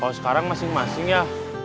kalau sekarang masing masing ya